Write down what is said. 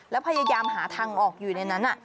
แล้วพยายามหาทางออกอยู่ในนั้น